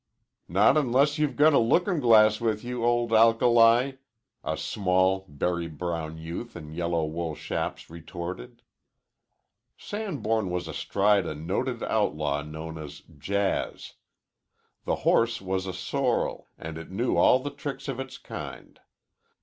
"Not onless you've got a lookin' glass with you, old alkali," a small berry brown youth in yellow wool chaps retorted. Sanborn was astride a noted outlaw known as Jazz. The horse was a sorrel, and it knew all the tricks of its kind.